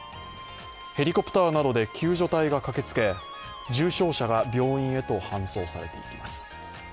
ヘリコプターなどで救助隊が駆けつけ、重傷者が病院へと搬送されていきます。